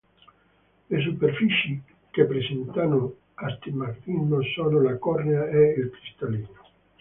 Le superfici che presentano astigmatismo sono la cornea e il cristallino.